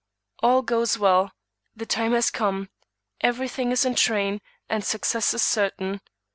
"All goes well. The time has come; every thing is in train, and success is certain.